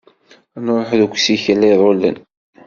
Nruḥ deg usikel iḍulen.